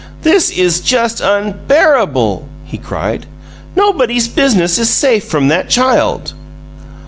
"This is just unbearable!" he cried. "Nobody's business is safe from that child!"